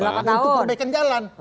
untuk perbaikan jalan